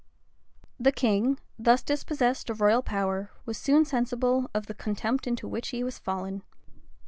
} The king, thus dispossessed of royal power, was soon sensible of the contempt into which he was fallen.